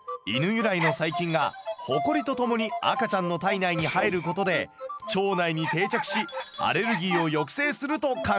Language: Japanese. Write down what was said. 由来の細菌がホコリとともに赤ちゃんの体内に入ることで腸内に定着しアレルギーを抑制すると考えられている。